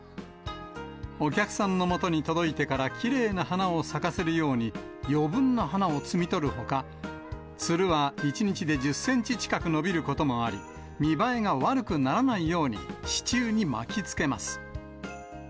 お客さんのもとに届いてからきれいな花を咲かせるように、余分な花を摘み取るほか、つるは一日で１０センチ近く伸びることもあり、見栄えが悪くならないように、支柱に巻きつけます。